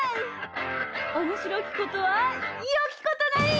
「おもしろきことはよきことなり」！